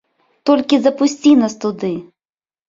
Толькі запусці нас туды!